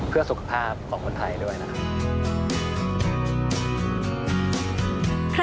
เพื่อสุขภาพของคนไทยด้วยนะครับ